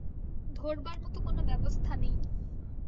ধরবার মতো কোনো ব্যবস্থা নেই।